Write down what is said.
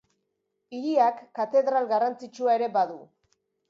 Hiriak katedral garrantzitsua ere badu.